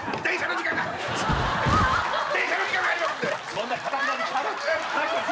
そんなかたくなに。